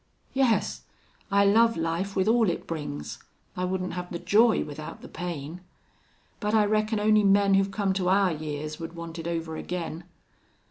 "Yes. I love life, with all it brings. I wouldn't have the joy without the pain. But I reckon only men who've come to our years would want it over again."